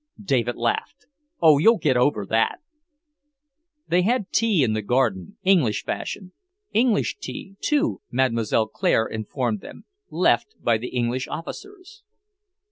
David laughed. "Oh, you'll get over that!" They had tea in the garden, English fashion English tea, too, Mlle. Claire informed them, left by the English officers.